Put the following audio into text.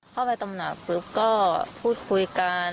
เข้าไปตำหนักปุ๊บก็พูดคุยกัน